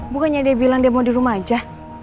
bukannya dia bilang dia mau di rumah aja